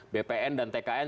bpn dan tkn